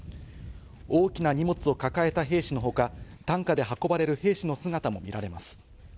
大きな荷物を抱えた兵士のほか、担架で運ばれる兵士の姿も見られます。